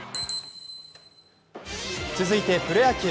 続いてプロ野球。